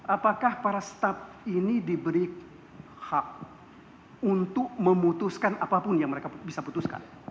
apakah para staf ini diberi hak untuk memutuskan apapun yang mereka bisa putuskan